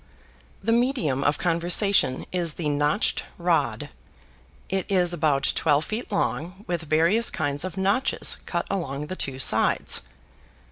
The medium of conversation is the Notched Rod. It is about twelve feet long with various kinds of notches cut along the two sides.